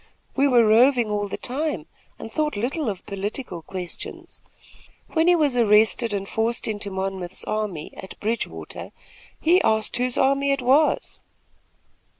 We were roving all the time and thought little of political questions. When he was arrested and forced into Monmouth's army, at Bridgewater, he asked whose army it was."